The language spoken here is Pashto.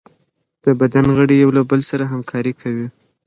د بدن غړي یو له بل سره همکاري کوي.